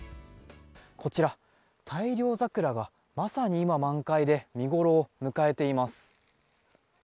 こちら、大漁桜がまさに今、満開で見ごろを迎えています。